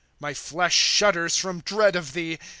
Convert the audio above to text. ' My Hesh shudders from dread of thee.